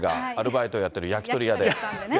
６２歳がアルバイトやってる焼き鳥屋でね。